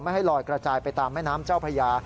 ให้ลอยกระจายไปตามแม่น้ำเจ้าพญา